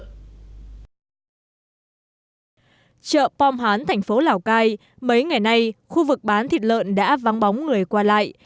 chợ pom hán thành phố lào cai mấy ngày nay khu vực bán thịt lợn đã vắng bóng người qua lại